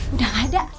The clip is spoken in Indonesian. udah nggak ada